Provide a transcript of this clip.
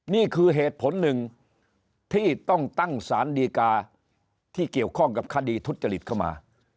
นี่คือเหตุผลหนึ่งที่ต้องตั้งสารดีกาที่เกี่ยวข้องกับคดีทุจริตเข้ามา